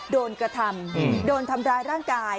โดนกระทำโดนทำร้ายร่างกาย